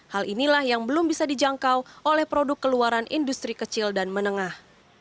hal inilah yang belum bisa dijangkau oleh produk keluaran industri kecil dan menengah